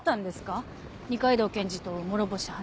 二階堂検事と諸星判事。